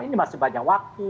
ini masih banyak waktu